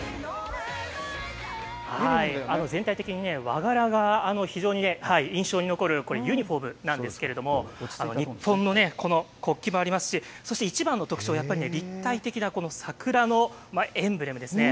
はい、全体的に和柄が非常に印象に残るユニフォームなんですけれども日本のね、国旗もありますしそして一番の特徴は立体的な桜のエンブレムですね。